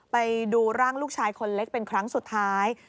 ไปดูร่างลูกชายคนเล็กเป็นครั้งสุดท้าย